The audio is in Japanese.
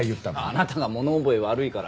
あなたが物覚え悪いから。